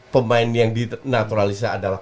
pemain yang di naturalisasi adalah